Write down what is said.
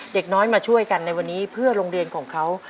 เด็กน้อยมาช่วยกันในวันนี้เพื่อโรงเรียนของเขา